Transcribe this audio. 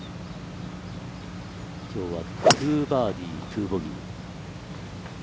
きょうは、２バーディー、２ボギー。